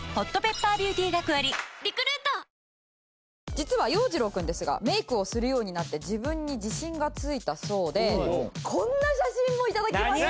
実は洋次郎くんですがメイクをするようになって自分に自信がついたそうでこんな写真も頂きました。